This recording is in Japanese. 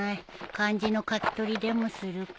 漢字の書き取りでもするか。